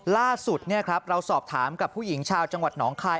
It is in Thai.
ล่าสุดเราสอบถามกับผู้หญิงชาวจังหวัดหนองคาย